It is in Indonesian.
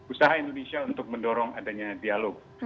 usaha indonesia untuk mendorong adanya dialog